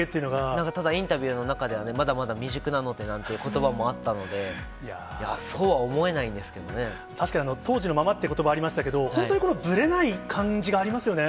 なんかただ、インタビューの中ではね、まだまだ未熟なのでなんてことばもあったので、そうは確かに当時のままってことばがありましたけど、本当にぶれない感じがありますよね。